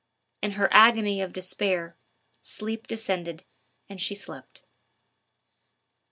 In her agony of despair, sleep descended, and she slept.